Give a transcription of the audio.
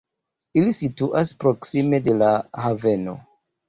Ili situas proksime de la haveno.